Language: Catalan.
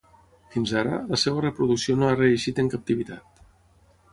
Fins ara, la seua reproducció no ha reeixit en captivitat.